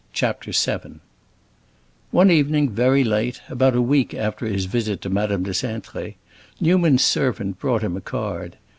CHAPTER VII One evening very late, about a week after his visit to Madame de Cintré, Newman's servant brought him a card.